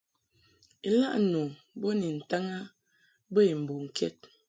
Ilaʼ nu bo ni ntaŋ a bə i mbɔŋkɛd.